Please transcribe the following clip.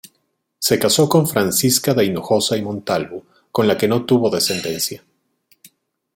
Se casó con Francisca de Hinojosa y Montalvo, con la que no tuvo descendencia.